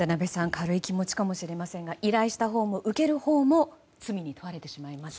軽い気持ちかもしれませんが依頼したほうも受けるほうも罪に問われてしまいます。